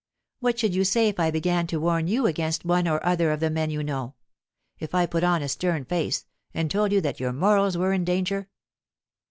What should you say if I began to warn you against one or other of the men you know if I put on a stern face, and told you that your morals were in danger?"